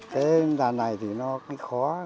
cái đàn này thì nó khó